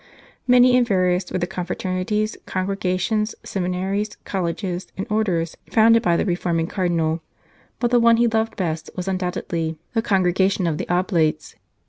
Many and various were the confraternities, congregations, seminaries, colleges, and Orders, founded by the reforming Cardinal, but the one he loved best was undoubtedly the Congregation of the Oblates.